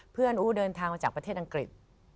เพื่อนอูดเดินทางออกมาจากประเทศอังกฤษ